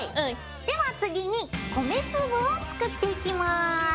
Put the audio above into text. では次に米粒を作っていきます。